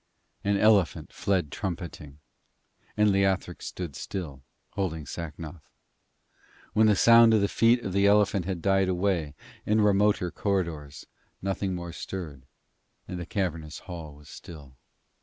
An elephant fled trumpeting. And Leothric stood still, holding Sacnoth. When the sound of the feet of the elephant had died away in the remoter corridors, nothing more stirred, and the cavernous hall was still.